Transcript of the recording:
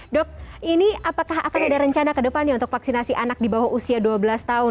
dok ini apakah akan ada rencana ke depannya untuk vaksinasi anak di bawah usia dua belas tahun